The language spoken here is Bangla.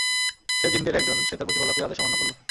সে জিনদের একজন, সে তার প্রতিপালকের আদেশ অমান্য করল।